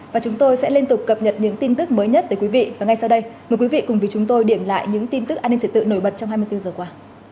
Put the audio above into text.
và chúng tôi sẽ liên tục cập nhật những tin tức mới nhất tới quý vị và ngay sau đây mời quý vị cùng với chúng tôi điểm lại những tin tức an ninh trật tự nổi bật trong hai mươi bốn giờ qua